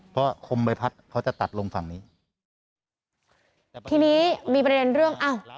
เพราะคมใบพัดเขาจะตัดลงฝั่งนี้ทีนี้มีประเด็นเรื่องอ้าว